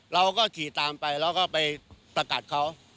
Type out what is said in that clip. เราก็ขี่ตามไปเราก็ไปสกัดเขา